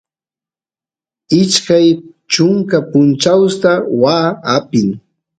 ashkay chunka punchawsta waa apin